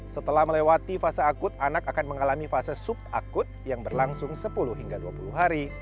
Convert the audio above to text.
setelah melewati fase akut anak akan mengalami fase sub akut yang berlangsung sepuluh hingga dua puluh hari